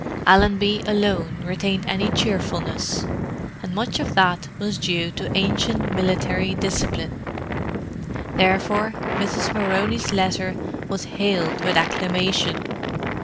Allenby alone retained any cheerfulness; and much of that was due to ancient military discipline. Therefore Mrs. Moroney's letter was hailed with acclamation.